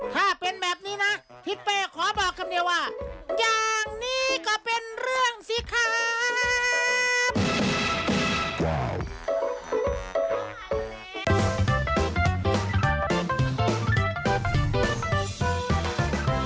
ถ้าเป็นแบบนี้นะพี่เป้ขอบอกคำเดียวว่าอย่างนี้ก็เป็นเรื่องสิครับ